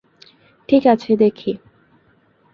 ঠিক আছে, দেখি।